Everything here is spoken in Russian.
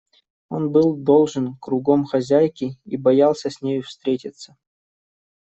Он был должен кругом хозяйке и боялся с нею встретиться.